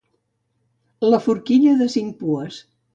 La forquilla de cinc pues.